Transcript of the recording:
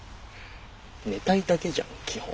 寝たいだけじゃん基本。